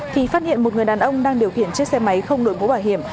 thì phát hiện một người đàn ông đang điều khiển chiếc xe máy không đổi bố bảo hiểm